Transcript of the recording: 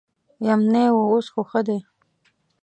یمنی و اوس خو ښه دي.